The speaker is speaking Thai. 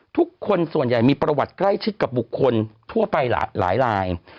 ทุกคนส่วนใหญ่มีประวัติใกล้ชิดกับบุคคลทั่วไปหลายลาย